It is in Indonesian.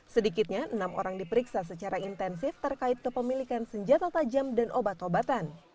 sedikitnya enam orang diperiksa secara intensif terkait kepemilikan senjata tajam dan obat obatan